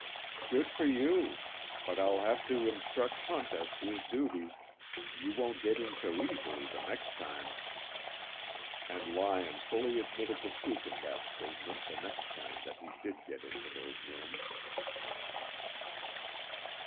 "Good for you. But I'll have to instruct Hunt as to his duties. You won't get in so easily the next time." And Lyon fully admitted the truth of that statement the next time that he did get into those rooms.